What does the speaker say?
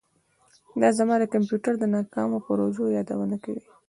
دا زما د کمپیوټر د ناکامو پروژو یادونه کوي